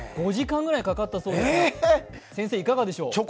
５時間ぐらいかかったそうですが、先生、いかがでしょう？